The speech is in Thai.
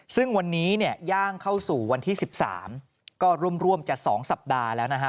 ซึ่งวันนี้เนี่ยย่างเข้าสู่วันที่๑๓ก็ร่วมจะ๒สัปดาห์แล้วนะฮะ